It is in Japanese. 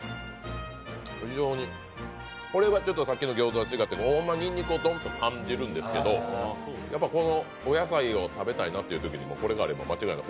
非常に、これはさっきの餃子とは違ってにんにくをドンと感じるんですけどやっぱ、このお野菜を食べたいなってときにこれがあれば間違いない。